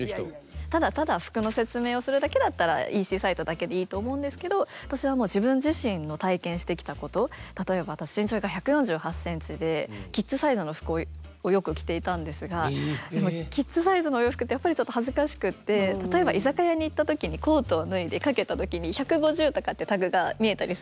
ただただ服の説明をするだけだったらＥＣサイトだけでいいと思うんですけど私はもう自分自身の体験してきたこと例えば私身長が１４８センチでキッズサイズの服をよく着ていたんですがでもキッズサイズのお洋服ってやっぱりちょっと恥ずかしくって例えば居酒屋に行った時にコートを脱いで掛けた時に１５０とかってタグが見えたりするんですよ。